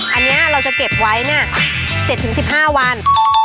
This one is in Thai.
อันนี้เราจะเก็บไว้๗๑๕วัน